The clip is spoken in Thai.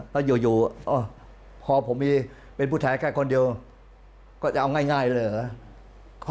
แล้วอยู่พอผมมีเป็นผู้แทนแค่คนเดียวก็จะเอาง่ายเลยเหรอ